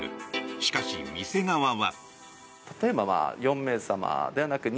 しかし、店側は。